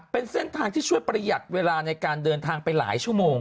เป็นเส้นทางที่ช่วยประหยัดเวลาในการเดินทางไปหลายชั่วโมง